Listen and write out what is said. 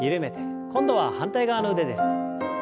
今度は反対側の腕です。